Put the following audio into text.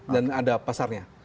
dan ada pasarnya